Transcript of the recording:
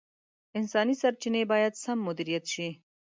انساني سرچیني باید سم مدیریت شي.